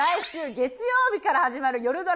月曜日から始まる夜ドラ